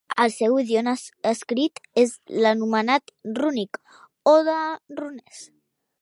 El seu idioma escrit és l'anomenat rúnic o de runes.